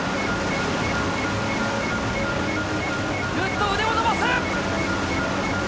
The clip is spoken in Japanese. グッと腕を伸ばす！